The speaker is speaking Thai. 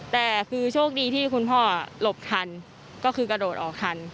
แต่คือโชคดีที่คุณพ่อหลบทันก็คือกระโดดออกทัน